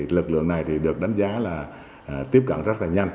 lực lượng này được đánh giá là tiếp cận rất là nhanh